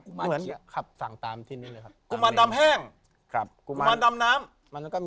กุมารวุ้น